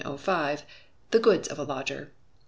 The Goods of a Lodger.